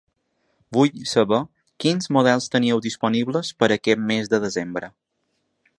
Vull saber quins models teniu disponibles per a aquest mes de desembre.